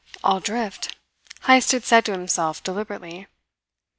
"I'll drift," Heyst had said to himself deliberately.